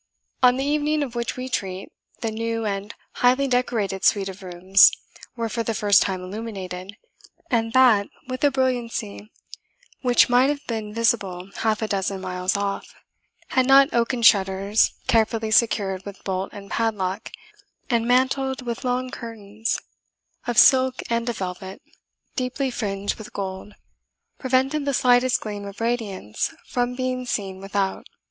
On the evening of which we treat, the new and highly decorated suite of rooms were, for the first time, illuminated, and that with a brilliancy which might have been visible half a dozen miles off, had not oaken shutters, carefully secured with bolt and padlock, and mantled with long curtains of silk and of velvet, deeply fringed with gold, prevented the slightest gleam of radiance front being seen without.